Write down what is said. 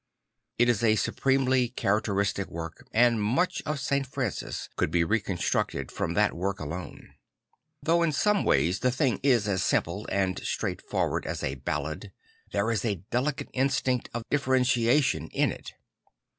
I t is a supremely characteristic work, and Inuch of St. Francis could be reconstructed from that work alone, Though in some ways the thing is as simple and straightforward as a ballad, there is a delicate instinct of differentiation in it.